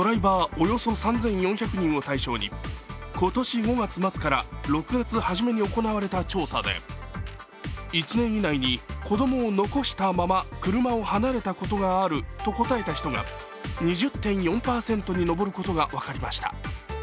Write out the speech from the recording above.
およそ３４００人を対象に今年５月末から６月初めに行われた調査で１年以内に子供を残したまま車を離れたことがあると答えた人が２０．４％に上ることが分かりました。